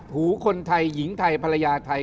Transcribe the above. หูคนไทยหญิงไทยภรรยาไทย